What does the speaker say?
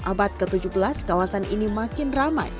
abad ke tujuh belas kawasan ini makin ramai